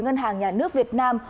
ngân hàng nhà nước việt nam